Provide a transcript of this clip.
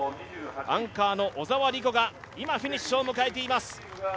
アンカーの小澤理子が今、フィニッシュを迎えています。